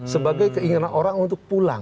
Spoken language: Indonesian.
sebagai keinginan orang untuk pulang